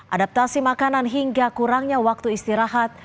adaptasi makanan hingga kurangnya waktu istirahat